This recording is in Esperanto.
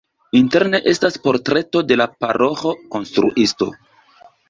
Interne estas portreto de la paroĥo-konstruisto.